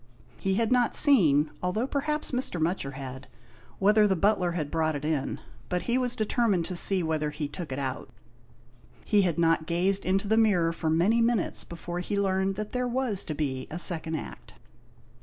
He had not seen, although perhaps Mr. Mutcher had, whether the butler had brought it in, but he was determined to see whether he took it out. He had not gazed into the mirror for many minutes before he learned that there was to be a second Act.